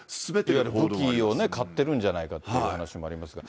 いわゆる武器を買ってるんじゃないかという話もありますが。